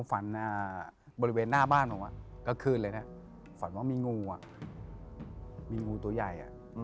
ฝันบริเวณหน้าบ้านผมก็คืนเลยนะฝันว่ามีงูมีงูตัวใหญ่